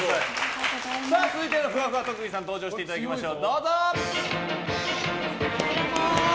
続いてのふわふわ特技さん登場していただきましょう。